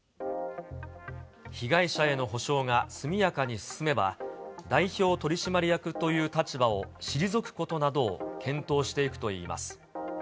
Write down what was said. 被害者への補償が速やかに進めば、代表取締役という立場を退くことなどを検討していくといいます。